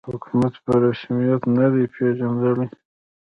حکومت په رسمیت نه دی پېژندلی